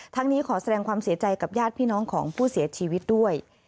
นี้ขอแสดงความเสียใจกับญาติพี่น้องของผู้เสียชีวิตด้วย